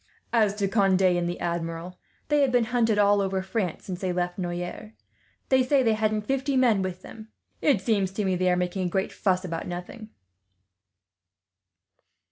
As to Conde and the Admiral, they have been hunted all over France, ever since they left Noyers. They say they hadn't fifty men with them. It seems to me they are making a great fuss about nothing."